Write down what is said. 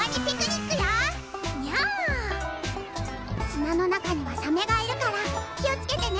砂の中にはサメがいるから気をつけてね。